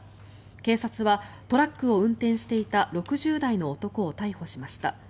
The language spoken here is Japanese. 警察はトラックを運転していた６０代の男を逮捕しました。